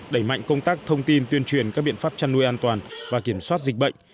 đẩy mạnh công tác thông tin tuyên truyền các biện pháp chăn nuôi an toàn và kiểm soát dịch bệnh